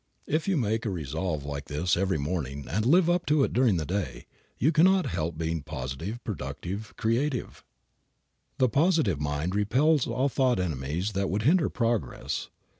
If you make a resolve like this every morning and live up to it during the day, you cannot help being positive, productive, creative. The positive mind repels all thought enemies that would hinder progress.